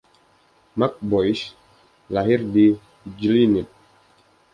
Max Boyce lahir di Glynneath.